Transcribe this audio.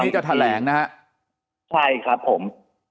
ใช่ครับผม